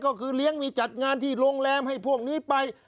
ก็คือเลี้ยงมีจัดงานที่โรงแรมให้พวกนี้ไป